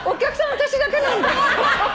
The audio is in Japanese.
私だけなんだよ。